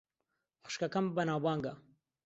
خوشکەکەم بەناوبانگە.